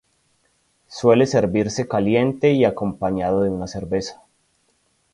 Suele servirse caliente y acompañada de una cerveza.